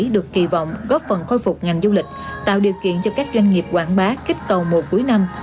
được kỳ vọng góp phần khôi phục ngành du lịch tạo điều kiện cho các doanh nghiệp quảng bá kích cầu mùa cuối năm